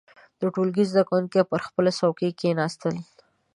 • د ټولګي زده کوونکي پر خپلو څوکيو کښېناستل.